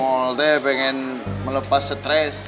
artinya kasar kita